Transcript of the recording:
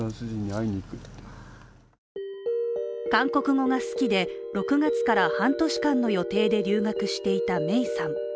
韓国語が好きで６月から半年間の予定で留学していた芽生さん。